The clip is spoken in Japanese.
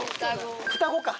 双子か！